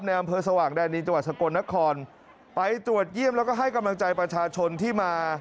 อำเภอสว่างแดนีจังหวัดสกลนครไปตรวจเยี่ยมแล้วก็ให้กำลังใจประชาชนที่มา